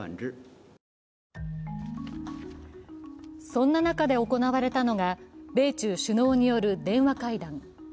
そんな中で行われたのが米中首脳による電話会談。